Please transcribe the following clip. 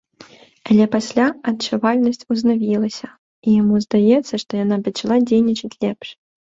Але пасля адчувальнасць узнавілася, і яму здаецца, што яна пачала дзейнічаць лепш.